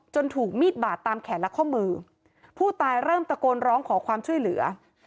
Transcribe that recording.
ถูกมีดบาดตามแขนและข้อมือผู้ตายเริ่มตะโกนร้องขอความช่วยเหลือ